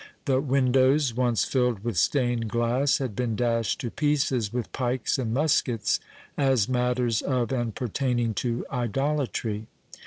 The windows, once filled with stained glass, had been dashed to pieces with pikes and muskets, as matters of and pertaining to idolatry.